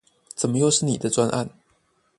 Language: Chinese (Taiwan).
怎麼又是你的專案